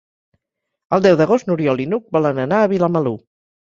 El deu d'agost n'Oriol i n'Hug volen anar a Vilamalur.